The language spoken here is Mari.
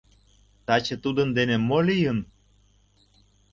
Таче тудын дене мо лийын?